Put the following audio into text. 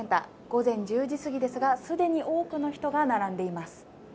午前１０時すぎですが、既に多くの人が並んでいます。